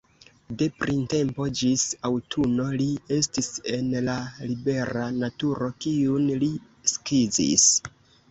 De printempo ĝis aŭtuno li estis en la libera naturo, kiun li skizis.